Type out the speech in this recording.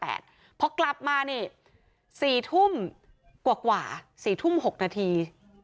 พอกลับมานี่๔ทุ่มกว่า๔ทุ่ม๖นาที